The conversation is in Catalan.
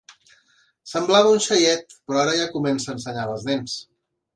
Semblava un xaiet, però ara ja comença a ensenyar les dents.